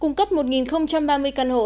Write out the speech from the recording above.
cung cấp một ba mươi căn hộ